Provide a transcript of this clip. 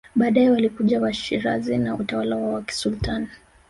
Baadae walikuja Washirazi na utawala wao wa kisultani